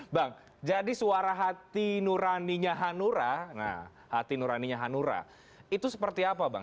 bang jadi suara hati nuraninya hanura nah hati nuraninya hanura itu seperti apa bang